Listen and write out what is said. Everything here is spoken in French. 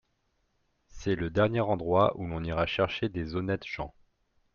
C'est le dernier endroit où l'on ira chercher des honnêtes gens.